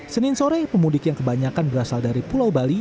senin sore pemudik yang kebanyakan berasal dari pulau bali